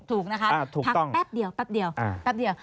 ถูกนะคะพักแป๊บเดียวแป๊บเดียว